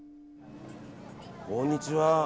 こんにちは。